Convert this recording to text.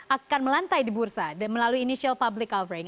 akan melantai di bursa melalui initial public offering